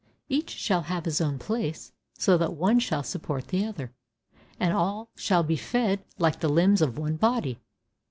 Each shall have his own place, so that one shall support the other, and all shall be fed like the limbs of one body."